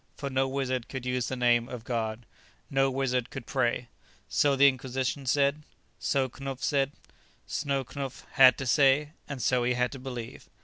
For no wizard could use the name of God, no wizard could pray. So the Inquisition said; so Knupf said, so Knupf had to say, and so he had to believe.